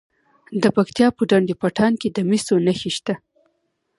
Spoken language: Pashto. د پکتیا په ډنډ پټان کې د مسو نښې شته.